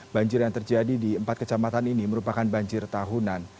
banjir yang terjadi di empat kecamatan ini merupakan banjir tahunan